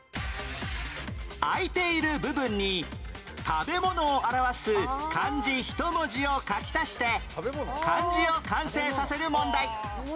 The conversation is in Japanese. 空いている部分に食べ物を表す漢字一文字を書き足して漢字を完成させる問題